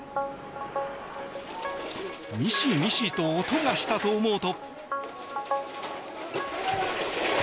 ミシミシと音がしたと思うと。